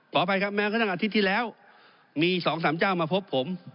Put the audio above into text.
ขออภัยครับแม้กระทั่งอาทิตย์ที่แล้วมี๒๓เจ้ามาพบผม